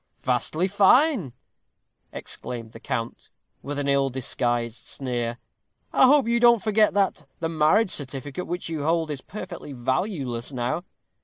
"Vastly fine!" exclaimed the count, with an ill disguised sneer. "I hope you don't forget that the marriage certificate which you hold is perfectly valueless now.